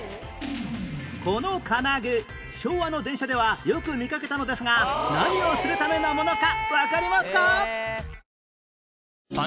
この金具昭和の電車ではよく見かけたのですが何をするためのものかわかりますか？